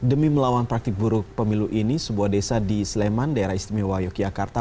demi melawan praktik buruk pemilu ini sebuah desa di sleman daerah istimewa yogyakarta